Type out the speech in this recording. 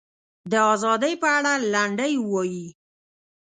د ازادۍ په اړه لنډۍ ووایي.